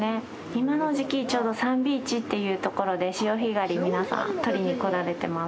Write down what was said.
今の時期、ちょうどサンビーチっていうところで潮干狩り、皆さん取りに来られてます。